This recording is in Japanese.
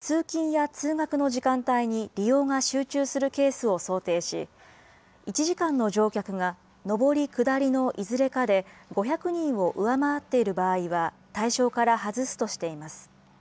ただ、通勤や通学の時間帯に利用が集中するケースを想定し、１時間の乗客が上り、下りのいずれかで５００人を上回っている場合は対象から外すとしています。